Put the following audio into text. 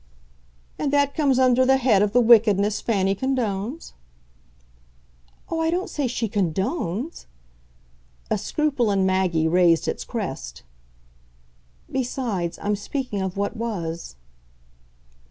"And that comes under the head of the wickedness Fanny condones?" "Oh, I don't say she CONDONES !" A scruple in Maggie raised its crest. "Besides, I'm speaking of what was."